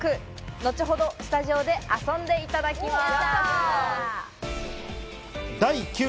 のちほどスタジオで遊んでいただきます。